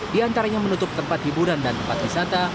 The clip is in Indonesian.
di antaranya menutup tempat hiburan dan tempat wisata